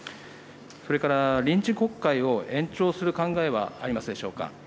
それから、臨時国会を延長する考えはありますでしょうか。